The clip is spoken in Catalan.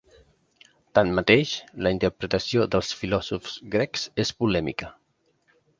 Tanmateix, la interpretació dels filòsofs grecs és polèmica.